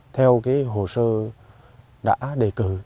theo hồ sơ đã đề cử